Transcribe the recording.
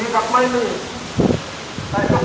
สวัสดีครับ